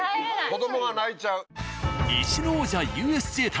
子どもは泣いちゃう。